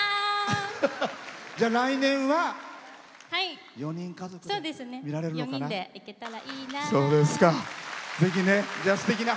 来年は４人家族で見られるのかな。